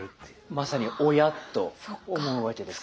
まさに「おや？」と思うわけですね。